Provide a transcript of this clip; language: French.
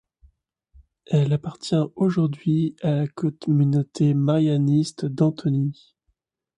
Elle appartient aujourd'hui à la communauté marianiste d'Antony.